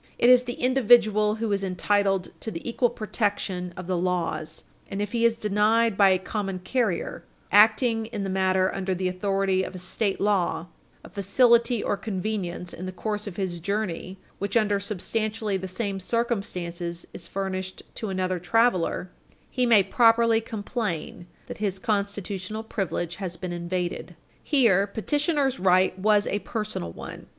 It is the individual who is entitled to the equal protection of the laws, and if he is denied by a common carrier, acting in the matter under the authority of a state law, a facility or convenience in the course of his journey which under substantially the same circumstances is furnished to another traveler, he may properly complain that his constitutional privilege has been invaded." Id. pp. 235 U. S. 161, 235 U. S. 162. Here, petitioner's right was a personal one.